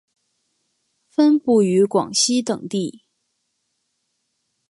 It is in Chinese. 分布于广西等地。